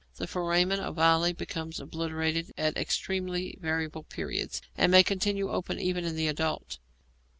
The foramen ovale becomes obliterated at extremely variable periods, and may continue open even in the adult.